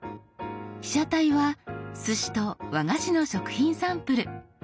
被写体はすしと和菓子の食品サンプル。